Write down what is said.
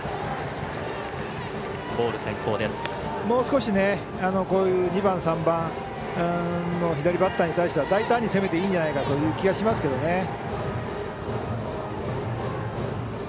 もう少し、こういう２番、３番の左バッターに対しては大胆に攻めていいんじゃないかという気がしますけどね。